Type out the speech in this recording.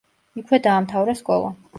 იქვე დაამთავრა სკოლა.